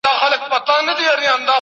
زاني هم له خپل ژوند څخه محرومېدای سي.